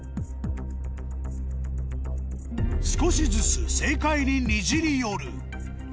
少しずつ正解ににじり寄る